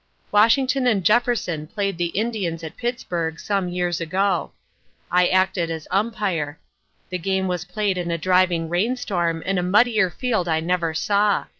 Washington and Jefferson played the Indians at Pittsburgh some years ago. I acted as Umpire. The game was played in a driving rain storm and a muddier field I never saw.